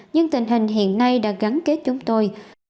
nhưng tình hình hiện nay đã gắn kết chúng tôi